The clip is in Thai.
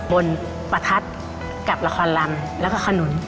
ประทัดกับละครลำแล้วก็ขนุน